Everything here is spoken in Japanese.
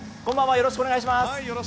よろしくお願いします。